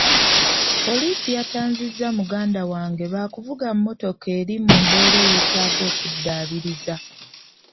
Poliisi yatanzizza muganda wange lwa kuvuga mmotoka eri mu mbeera eyetaaga okuddaabiriza.